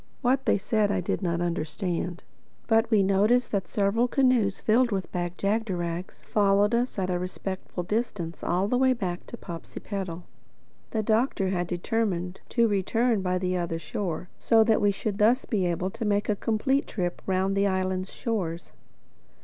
What they said I did not understand; but we noticed that several canoes filled with Bag jagderags followed us at a respectful distance all the way back to Popsipetel. The Doctor had determined to return by the other shore, so that we should be thus able to make a complete trip round the island's shores.